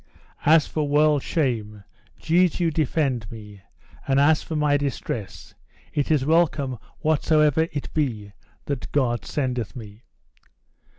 As for world's shame, Jesu defend me, and as for my distress, it is welcome whatsoever it be that God sendeth me.